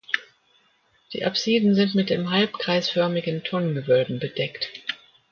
Die Apsiden sind mit halbkreisförmigen Tonnengewölben bedeckt.